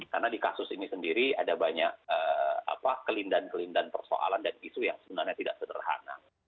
karena di kasus ini sendiri ada banyak kelindahan kelindahan persoalan dan isu yang sebenarnya tidak sederhana